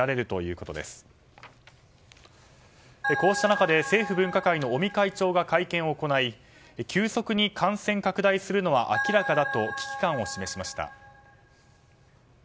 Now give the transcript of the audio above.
こうした中で政府分科会の尾身会長が会見を行い急速に感染拡大するのは明らかだと危機感を示しました。